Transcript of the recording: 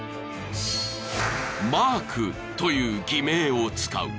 ［マークという偽名を使う］